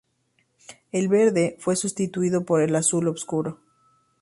El verde fue sustituido por el azul oscuro.